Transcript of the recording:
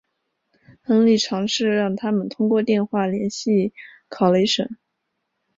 亨利尝试让他们通过电话联系考雷什。